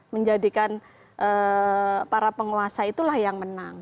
menjadikan para penguasa itulah yang menang